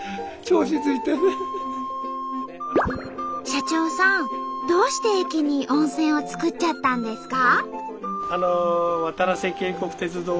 社長さんどうして駅に温泉を作っちゃったんですか？